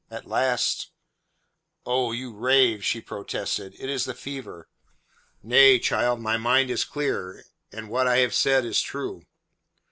At last: "Oh, you rave," she protested, "it is the fever." "Nay, child, my mind is clear, and what I have said is true."